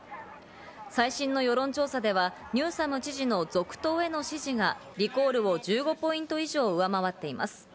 最新の世論調査ではニューサム知事の続投への支持がリコールを１５ポイント以上、上回っています。